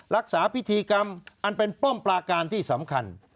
รักษาพิธีกรรมอันเป็นป้อมปลาการที่สำคัญ